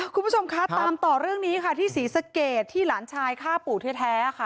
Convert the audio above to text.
คุณผู้ชมคะตามต่อเรื่องนี้ค่ะที่ศรีสะเกดที่หลานชายฆ่าปู่แท้ค่ะ